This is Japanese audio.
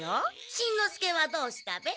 しんのすけはどうしたべ？